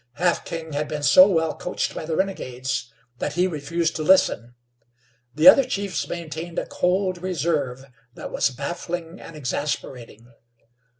Half King had been so well coached by the renegades that he refused to listen. The other chiefs maintained a cold reserve that was baffling and exasperating.